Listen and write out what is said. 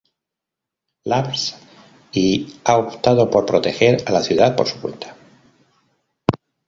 Labs y ha optado por proteger a la ciudad por su cuenta.